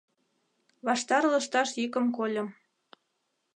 Ваштар лышташ йӱкым кольым;